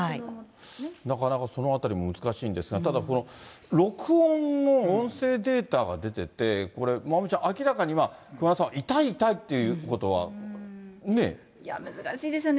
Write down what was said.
なかなかそのあたりも難しいんですが、ただこの録音の音声データが出てて、これ、まおみちゃん、明らかに熊田さんは痛い、痛難しいですよね。